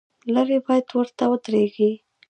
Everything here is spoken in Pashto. لرې باید ورته ودرېږې.